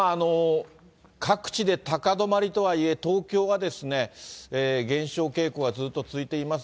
各地で高止まりとはいえ、東京はですね、減少傾向がずっと続いています。